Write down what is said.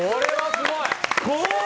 すごい！